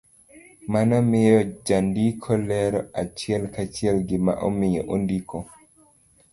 Mano miyo jandiko lero achiel ka chiel gima omiyo ondiko